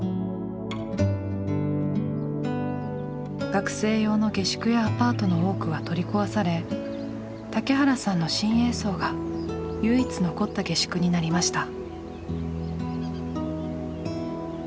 学生用の下宿やアパートの多くは取り壊され竹原さんの「新栄荘」が唯一残った下宿になりました。